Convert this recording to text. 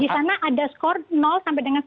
di sana ada skor sampai dengan sepuluh